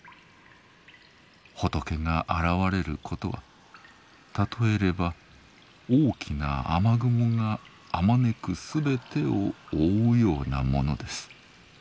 仏が現れることは譬えれば大きな雨雲があまねくすべてを覆うようなものです。